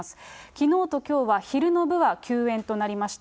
きのうときょうは昼の部は休演となりました。